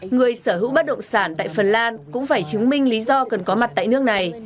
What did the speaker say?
người sở hữu bất động sản tại phần lan cũng phải chứng minh lý do cần có mặt tại nước này